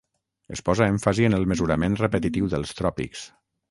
Es posa èmfasi en el mesurament repetitiu dels tròpics.